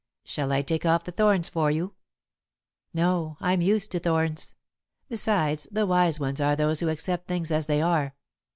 "Shall I take off the thorns for you?" "No, I'm used to thorns. Besides, the wise ones are those who accept things as they are."